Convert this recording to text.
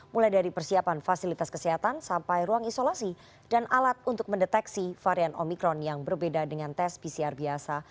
mulai dari persiapan fasilitas kesehatan sampai ruang isolasi dan alat untuk mendeteksi varian omikron yang berbeda dengan tes pcr biasa